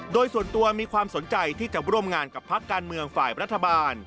โดยส่วนตัวมีความสนใจที่จะร่วมงานกับพักการเมืองฝ่ายรัฐบาล